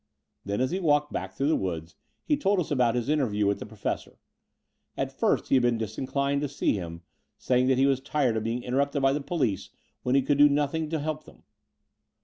Then, as he walked back through the woods, he told us about his interview with the Professor. At first he had been disinclined to see him, saying that he was tired of being interrupted by the police when he could do nothing to help them.